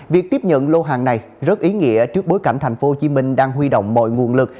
việc tiếp nhận lô hàng này rất ý nghĩa trước bối cảnh tp hcm đang huy động mọi nguồn lực